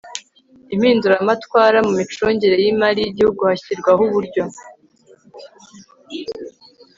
impinduramatwara mu micungire y'imari y'igihugu hashyirwaho uburyo